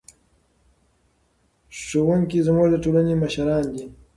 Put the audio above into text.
ښوونکي زموږ د ټولنې مشران دي.